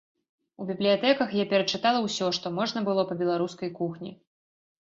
У бібліятэках я перачытала ўсё, што можна было па беларускай кухні.